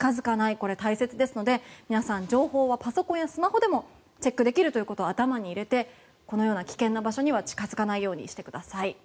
これ、大切ですので皆さん情報はパソコンやスマホでもチェックできるということを頭に入れてこのような危険な場所には近付かないようにしてください。